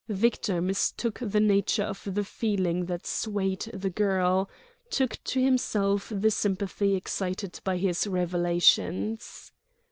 Victor mistook the nature of the feeling that swayed the girl—took to himself the sympathy excited by his revelations.